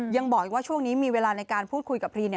ยังบอกอีกว่าช่วงนี้มีเวลาในการพูดคุยกับพรี